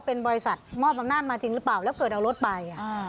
เป็นบริษัทมอบอำนาจมาจริงหรือเปล่าแล้วเกิดเอารถไป